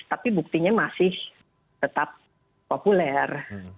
tapi buktinya masih tetap populer